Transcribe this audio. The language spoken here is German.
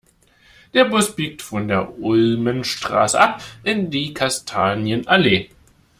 Der Bus biegt von der Ulmenstraße ab in die Kastanienallee.